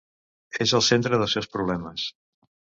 És el centre dels seus problemes.